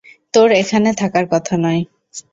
তোর এখানে থাকার কথা নয়।